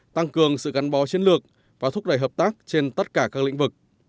tăng cường sự gắn bó chiến lược và thúc đẩy hợp tác trên tất cả các lĩnh vực